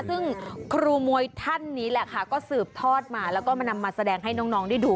ซึ่งครูมวยท่านนี้แหละค่ะก็สืบทอดมาแล้วก็มานำมาแสดงให้น้องได้ดู